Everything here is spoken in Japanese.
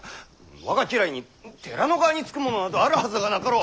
我が家来に寺の側につく者などあるはずがなかろう。